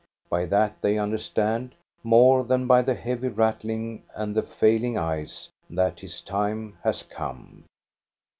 By that they understand, more than by the heavy rattling and the failing eyes, that his time has come.